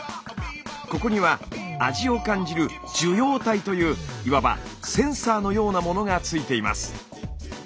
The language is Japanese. ここには味を感じる受容体といういわばセンサーのようなものがついています。